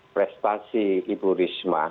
prestasi ibu risma